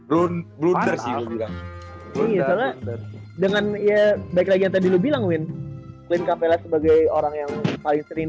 run blunder sih dengan ya baik lagi yang tadi lu bilang win kabel sebagai orang yang paling sering